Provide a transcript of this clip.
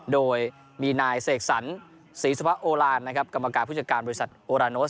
โดยมีนายเสกสรรศรีสวะโอลานนะครับกรรมการผู้จัดการบริษัทโอราโนส